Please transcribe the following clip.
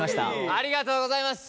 ありがとうございます。